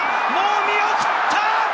見送った！